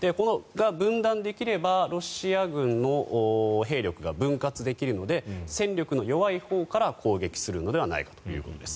分断できればロシア軍の兵力が分割できるので戦力の弱いほうから攻撃するのではないかということです。